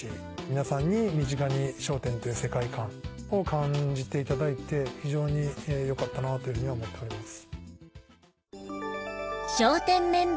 皆さんに身近に『笑点』という世界観を感じていただいて非常によかったなというふうに思っております。